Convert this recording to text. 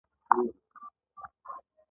پسه د افغانستان د بشري فرهنګ برخه ده.